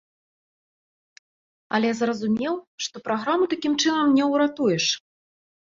Але зразумеў, што праграму такім чынам не ўратуеш.